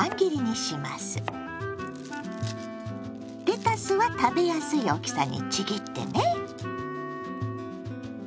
レタスは食べやすい大きさにちぎってね。